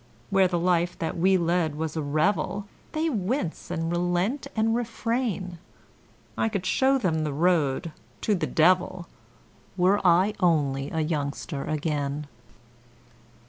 Where the life that we led was a revel They 'wince and relent and refrain' I could show them the road to the devil, Were I only a youngster again.